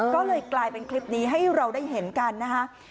ก็เลยกลายเป็นคลิปนี้ให้เราได้เห็นกันนะคะ